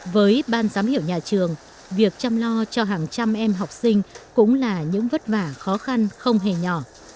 với ban giám hiệu nhà trường việc chăm lo cho hàng trăm em học sinh cũng là những vất vả khó khăn không hề nhỏ